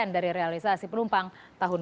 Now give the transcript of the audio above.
dari realisasi penumpang tahun dua ribu lima belas